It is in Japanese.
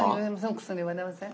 奥さんに言われません？